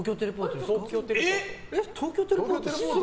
東京テレポート。